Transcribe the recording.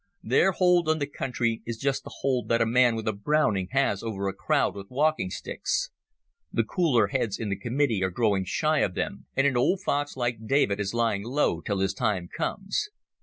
Their hold on the country is just the hold that a man with a Browning has over a crowd with walking sticks. The cooler heads in the Committee are growing shy of them, and an old fox like David is lying low till his time comes.